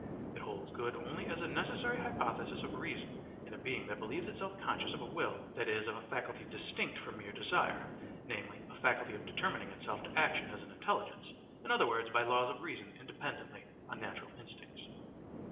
It holds good only as a necessary hypothesis of reason in a being that believes itself conscious of a will, that is, of a faculty distinct from mere desire (namely, a faculty of determining itself to action as an intelligence, in other words, by laws of reason independently on natural instincts).